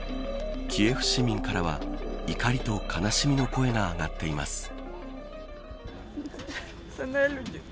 キエフ市民からは怒りと悲しみの声が上がっています。